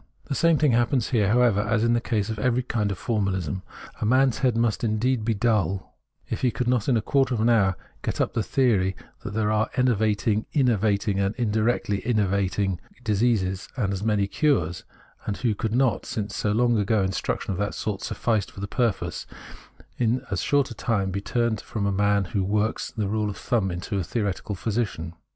The same thing happens here, however, as in the case of every kind of formalism. A man's head must be indeed dull if he could not in a quarter of an hour get up the theory that there are enervating, innervating, and indirectly enervating diseases and as many cures, and who could not — smce not so long ago instruction of that sort sufficed for the purpose — in as short a time be turned from being a man who works by rule of thumb into a theoretical physician.